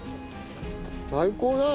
最高だよ丼。